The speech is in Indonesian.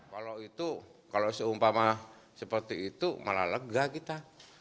kalau itu kalau seumpama seperti itu malah lega kita